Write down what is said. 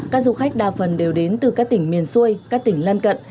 các du khách đa phần đều đến từ các tỉnh miền xuôi các tỉnh lân cận